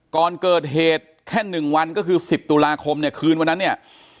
ก่อนเกิดเหตุแค่๑วันก็คือ๑๐ตุลาคมเนี่ยคืนวันนั้นเนี่ย